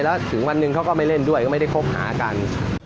แล้วถึงวันหนึ่งเขาก็ไม่เล่นด้วยก็ไม่ได้คบหากัน